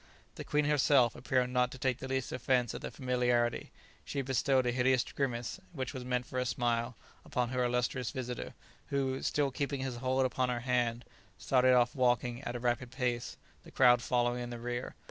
The queen herself appeared not to take the least offence at the familiarity; she bestowed a hideous grimace, which was meant for a smile, upon her illustrious visitor, who, still keeping his hold upon her hand, started off walking at a rapid pace, the crowd following in the rear.